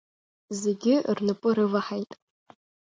Зегьы рнапы рываҳаит.